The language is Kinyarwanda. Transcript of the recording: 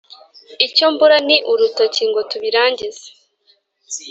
icyo mbura ni urutoki ngo tubirangize